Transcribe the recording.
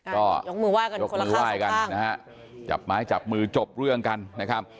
ก็ยกมือไหว้กันคนละคราวสองข้างยกมือไหว้กันนะฮะจับไม้จับมือจบเรื่องกันนะครับ